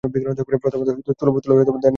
প্রথমত স্থূল বস্তু লইয়া ধ্যান করিতে হইবে।